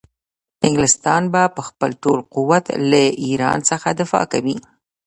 انګلستان به په خپل ټول قوت له ایران څخه دفاع کوي.